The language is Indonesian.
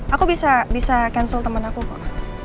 aku bisa cancel teman aku kok